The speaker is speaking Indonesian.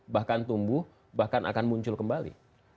bahkan tumbuh bahkan akan muncul kembali